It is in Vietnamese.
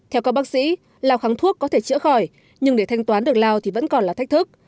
theo các bác sĩ lao kháng thuốc có thể chữa khỏi nhưng để thanh toán được lao thì vẫn còn là thách thức